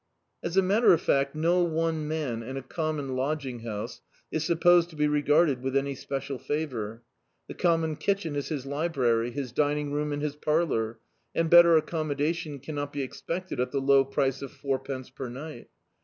As a matter of fact, no one man in a common lodging house is supposed to be regarded with any special favour. The common kitchen is his library, his dining room and his parlour, and better acccnn modauon cannot be expected at the low price of fouipence per ni^t.